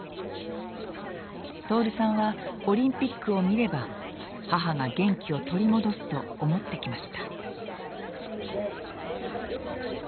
徹さんはオリンピックを見れば母が元気を取り戻すと思ってきました。